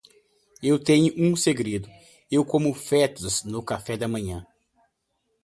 Eu tenho um segredo: eu como fetos no café da manhã.